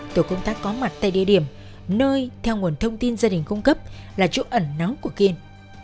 tổ công tác có mặt tại địa điểm nơi theo nguồn thông tin gia đình cung cấp là chỗ ẩn nóng của kiên